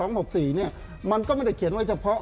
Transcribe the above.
ในมาตรา๒๖๔มันก็ไม่ได้เขียนไว้เฉพาะ